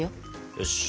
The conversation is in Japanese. よし。